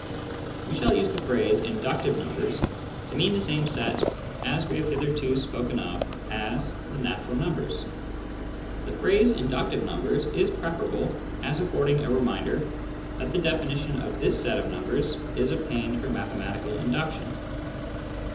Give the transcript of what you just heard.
We shall use the phrase " inductive numbers " to mean the same set as we have hitherto spoken of as the " natural numbers." The phrase " inductive numbers " is preferable as affording a reminder that the definition of this set of numbers is obtained from mathematical induction.